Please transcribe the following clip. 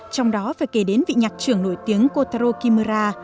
trong đó phải kể đến vị nhạc trưởng nổi tiếng kotaro kimura